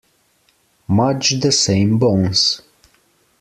Much the same bones.